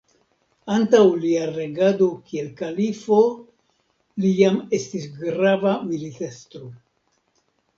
Antaŭ lia regado kiel kalifo li jam estis grava militestro.